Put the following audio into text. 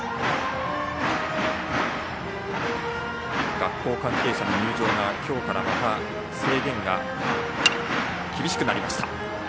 学校関係者の入場が今日からまた制限が厳しくなりました。